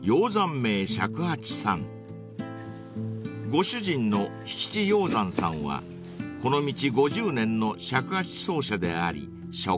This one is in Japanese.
［ご主人の引地容山さんはこの道５０年の尺八奏者であり職人］